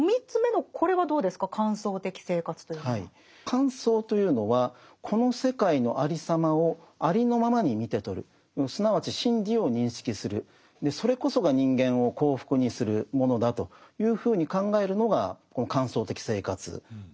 観想というのはこの世界のありさまをありのままに見て取るすなわち真理を認識するそれこそが人間を幸福にするものだというふうに考えるのがこの観想的生活なんですね。